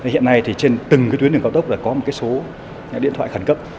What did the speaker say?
hiện nay trên từng tuyến đường cao tốc có một số điện thoại khẩn cấp